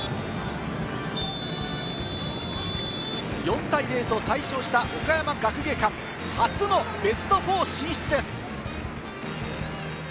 ４対０と大勝した岡山学芸館、初のベスト４進出です。